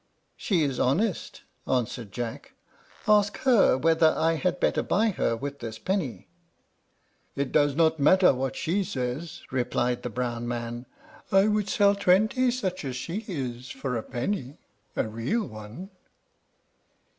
"She is honest," answered Jack; "ask her whether I had better buy her with this penny." "It does not matter what she says," replied the brown man; "I would sell twenty such as she is for a penny, a real one."